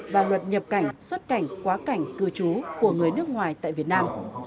và luật nhập cảnh xuất cảnh quá cảnh cư trú của người nước ngoài tại việt nam